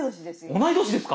同い年ですか。